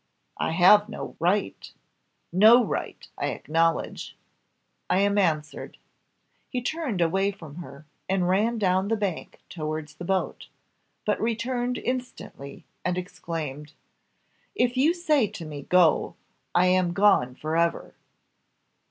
"I have no right no right, I acknowledge I am answered." He turned away from her, and ran down the bank towards the boat, but returned instantly, and exclaimed, "If you say to me, go! I am gone for ever!"